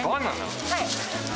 はい。